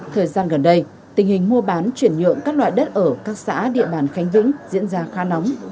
thời gian gần đây tình hình mua bán chuyển nhượng các loại đất ở các xã địa bàn khánh vĩnh diễn ra khá nóng